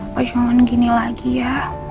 papa jangan gini lagi ya